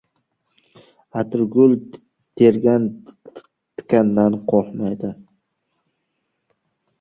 • Atirgul tergan tikandan qo‘rqmaydi.